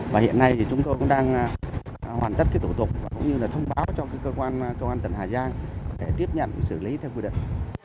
và hiện nay thì chúng tôi cũng đang hoàn tất cái tổ tục cũng như là thông báo cho công an tỉnh hà giang để tiếp nhận xử lý theo quy định